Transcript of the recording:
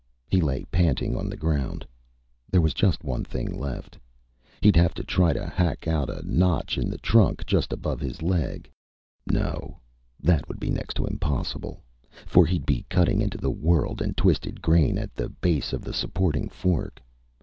He lay panting on the ground. There was just one thing left. He'd have to try to hack out a notch in the trunk just above his leg. No, that would be next to impossible, for he'd be cutting into the whorled and twisted grain at the base of the supporting fork.